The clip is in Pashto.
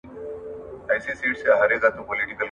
د نجونو تعليم ګډون زياتوي.